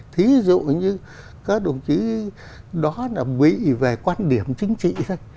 thí dụ như các đồng chí đó là bị về quan điểm chính trị thôi